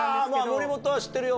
森本は知ってるよ。